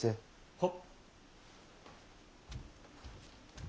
はっ。